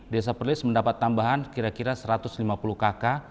desa perlis mendapat tambahan kira kira satu ratus lima puluh kakak